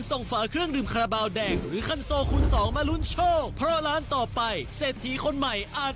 บอกคุณผู้ชมดังเลยว่าร้านแรกแตกไปเรียบร้อยแล้ว